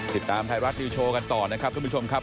ติดตามไทยรัฐนิวโชว์กันต่อนะครับทุกผู้ชมครับ